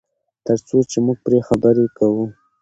تر څو چې موږ پرې خبرې کوو.